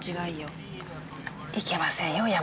いけませんよ